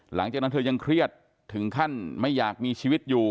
หลังจากนั้นเธอยังเครียดถึงขั้นไม่อยากมีชีวิตอยู่